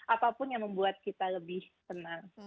apapun yang membuat kita lebih senang